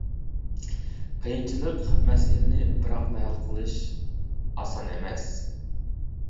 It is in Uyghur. قىيىنچىلىق، مەسىلىنى بىراقلا ھەل قىلىش ئاسان ئەمەس.